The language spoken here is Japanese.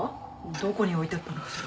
どこに置いてあったのかしら。